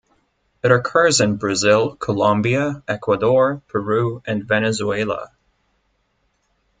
It occurs in Brazil, Colombia, Ecuador, Peru and Venezuela.